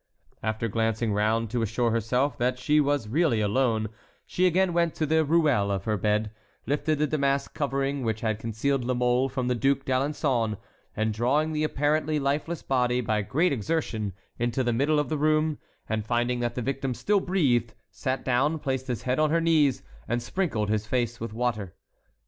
After glancing round to assure herself that she was really alone, she again went to the "ruelle" of her bed, lifted the damask covering which had concealed La Mole from the Duc d'Alençon, and drawing the apparently lifeless body, by great exertion, into the middle of the room, and finding that the victim still breathed, sat down, placed his head on her knees, and sprinkled his face with water.